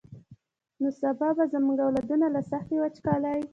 نو سبا به زمونږ اولادونه له سختې وچکالۍ.